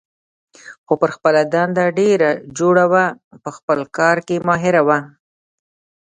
خو پر خپله دنده ډېره جوړه وه، په خپل کار کې ماهره وه.